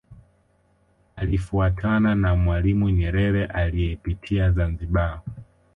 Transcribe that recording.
Alifuatana na Mwalimu Nyerere aliyepitia Zanzibar